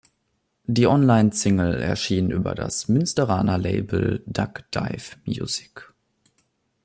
Die Online Single erschien über das Münsteraner Label Duck Dive Music.